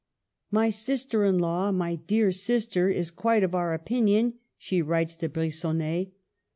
" My sister in law, my dear sister, is quite of our opinion," she writes to Brigonnet.